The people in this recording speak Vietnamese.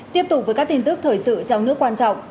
tiếp tục với các tin tức thời sự trong nước quan trọng